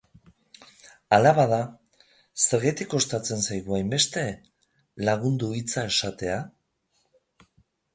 Hala bada, zergatik kostatzen zaigu hainbeste lagundu hitza esatea?